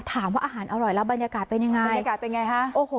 ถามว่าอาหารอร่อยแล้วบรรยากาศเป็นยังไงบรรยากาศเป็นไงฮะโอ้โห